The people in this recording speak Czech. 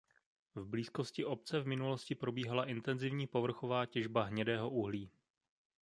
V blízkosti obce v minulosti probíhala intenzivní povrchová těžba hnědého uhlí.